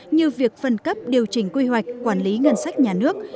như việc phân cấp điều chỉnh quy hoạch quản lý ngân sách nhà nước